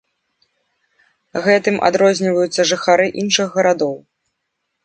Гэтым адрозніваюцца жыхары іншых гарадоў.